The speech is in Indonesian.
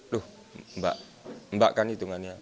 loh mbak kan hitungannya